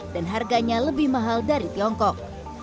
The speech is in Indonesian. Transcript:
dan harganya lebih mahal dari tiongkok